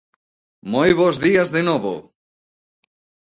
Moi bos días de novo.